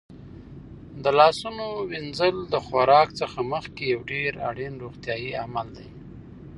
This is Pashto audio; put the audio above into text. د لاسونو وینځل د خوراک څخه مخکې یو ډېر اړین روغتیايي عمل دی.